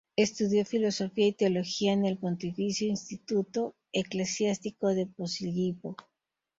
Estudió filosofía y teología en el Pontificio Instituto Eclesiástico de Posillipo.